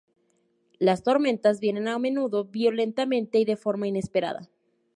Las tormentas vienen a menudo violentamente y de forma inesperada.